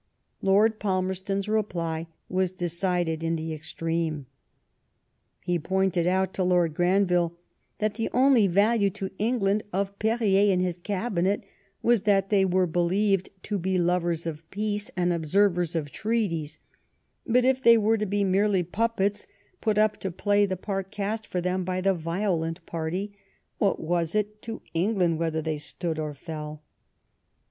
Lord Palmer ston's reply was decided in the extreme. He pointed out to Lord Granville that '^ the only value to England of Perier and his Cabinet was that they were believed to be lovers of peace, and observers of treaties ; but if they were to be merely puppets, put up to play the part cast for them by the violent party, what was it to England whether they stood or fell